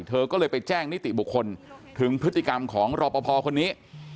เธอก็เลยไปแจ้งนิติบุคคลถึงพฤติกรรมของรอปภคนนี้